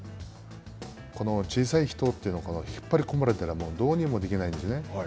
この小さい人というのは引っ張り込まれたらどうにもできないんですよね。